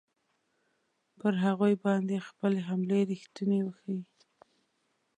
پر هغوی باندې خپلې حملې ریښتوني وښیي.